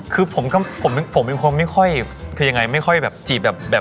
คือผมก็ผมเป็นคนไม่ค่อยคือยังไงไม่ค่อยแบบจีบแบบ